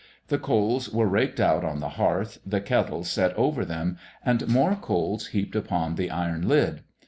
The coals were raked out on the hearth, the kettle set over them and more coals heaped upon the iron lid.